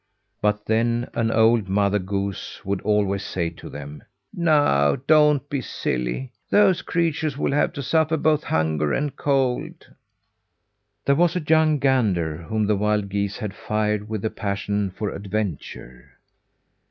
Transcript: But then an old mother goose would always say to them: "Now don't be silly. Those creatures will have to suffer both hunger and cold." There was a young gander whom the wild geese had fired with a passion for adventure.